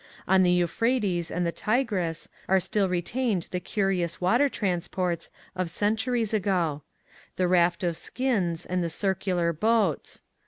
On the Euphrates and the Tigris are still retained the curious water transports of centuries ago — the raft of skins and the circular boats.